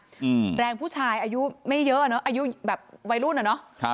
อืมแรงผู้ชายอายุไม่เยอะอ่ะเนอะอายุแบบวัยรุ่นอ่ะเนอะครับ